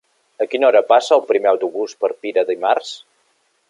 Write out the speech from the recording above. A quina hora passa el primer autobús per Pira dimarts?